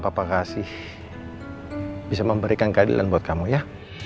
bapak kasih bisa memberikan keadilan buat kamu ya